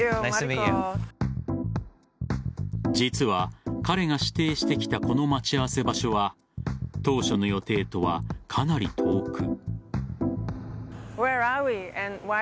実は彼が指定してきたこの待ち合わせ場所は当初の予定とは、かなり遠く。